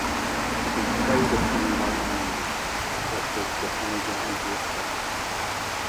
It is preyed upon by animals such as the tiger and leopard.